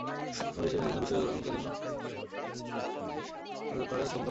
বর্তমানে বিদেশি ঋণের সঙ্গে দেশীয় ব্যাংকগুলোর ঋণের সুদহারের তেমন কোনো পার্থক্য নেই।